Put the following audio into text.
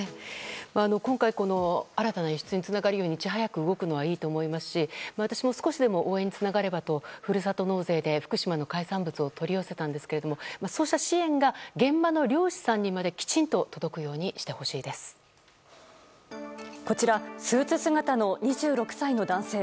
今回、新たな輸出につながるようにいち早く動くのはいいと思いますし私も少しでも応援につながればとふるさと納税で福島の海産物を取り寄せたんですがそうした支援が現場の漁師さんにまできちんとこちら、スーツ姿の２６歳の男性。